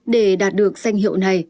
để đạt được danh hiệu này